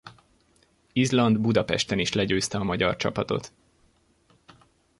Izland Budapesten is legyőzte a magyar csapatot.